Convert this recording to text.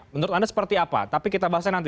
menurut anda seperti apa tapi kita bahasnya nanti